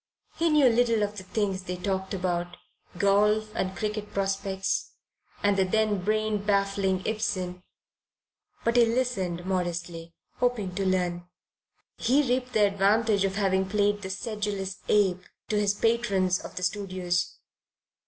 He knew little of the things they talked about, golf and cricket prospects, and the then brain baffling Ibsen, but he listened modestly, hoping to learn. He reaped the advantage of having played "the sedulous ape" to his patrons of the studios.